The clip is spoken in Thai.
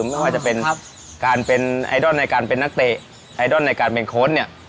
ไม่ว่าจะเป็นการเป็นไอดอลในการเป็นนักเตะไอดอลในการเป็นโค้ชเนี่ย